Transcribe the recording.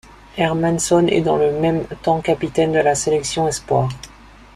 Hermannsson est dans le même temps capitaine de la sélection espoirs.